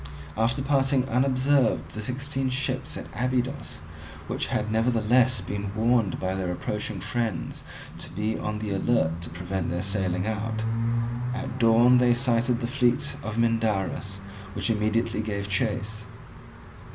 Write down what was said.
After passing unobserved the sixteen ships at Abydos, which had nevertheless been warned by their approaching friends to be on the alert to prevent their sailing out, at dawn they sighted the fleet of Mindarus, which immediately gave chase.